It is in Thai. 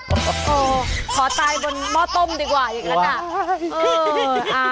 โอ้โหขอตายบนหม้อต้มดีกว่าอย่างนั้นน่ะ